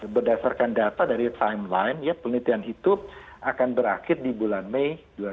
berdasarkan data dari timeline ya penelitian itu akan berakhir di bulan mei dua ribu dua puluh